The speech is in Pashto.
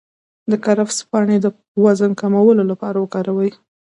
د کرفس پاڼې د وزن د کمولو لپاره وکاروئ